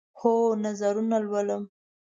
هو، نظرونه لولم